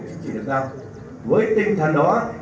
chính trị lực tạo với tinh thần đó